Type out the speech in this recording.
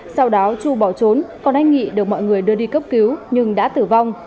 sau đó chu bỏ trốn còn anh nghị được mọi người đưa đi cấp cứu nhưng đã tử vong